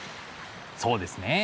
そうですね。